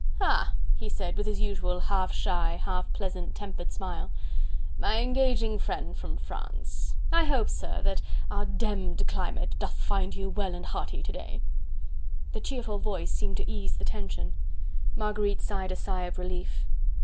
"Ha!" he said, with his usual half shy, half pleasant tempered smile, "my engaging friend from France! I hope, sir, that our demmed climate doth find you well and hearty to day." The cheerful voice seemed to ease the tension. Marguerite sighed a sigh of relief.